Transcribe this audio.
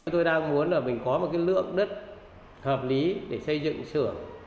tôi đang muốn là mình có một cái lượng đất hợp lý để xây dựng sửa